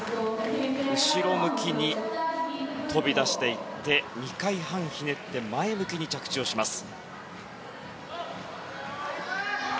後ろ向きに跳び出していって２回半ひねって前向きに着地をします。